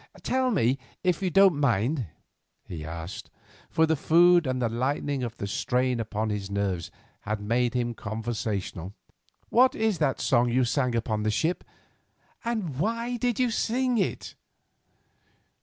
"Tell me, if you don't mind," he asked, for the food and the lightening of the strain upon his nerves had made him conversational, "what is that song which you sang upon the ship, and why did you sing it?"